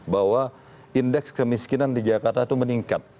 bahwa indeks kemiskinan di jakarta itu meningkat